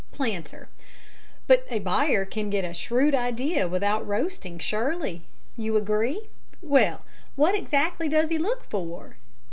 PLANTER: But a buyer can get a shrewd idea without roasting, surely? You agree. Well, what exactly does he look for?